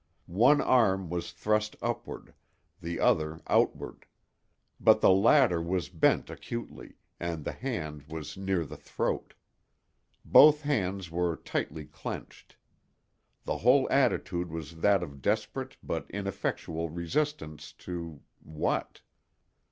One arm was thrust upward, the other outward; but the latter was bent acutely, and the hand was near the throat. Both hands were tightly clenched. The whole attitude was that of desperate but ineffectual resistance to—what?